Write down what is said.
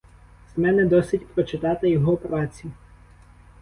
З мене досить прочитати його праці.